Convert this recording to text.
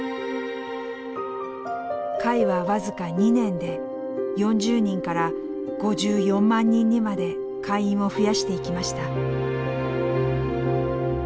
会は僅か２年で４０人から５４万人にまで会員を増やしていきました。